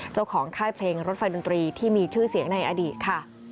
ค่ายเพลงรถไฟดนตรีที่มีชื่อเสียงในอดีตค่ะ